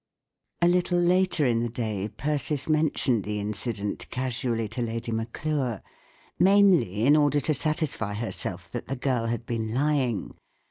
A little later in the day Persis mentioned the incident casually to Lady Maclure— mainly in order to satisfy herself that the girl had been lying.